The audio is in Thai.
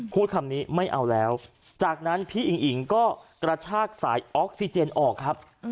พูดคำนี้ไม่เอาแล้วจากนั้นพี่อิงอิ๋งก็กระชากสายออกซิเจนออกครับ